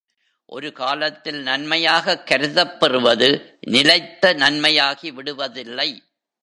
ஒரு காலத்தில் நன்மையாகக் கருதப் பெறுவது நிலைத்த நன்மையாகி விடுவதில்லை.